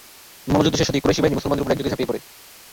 মল্লযুদ্ধ শেষ হতেই কুরাইশ বাহিনী মুসলমানদের উপর একযোগে ঝাঁপিয়ে পড়ে।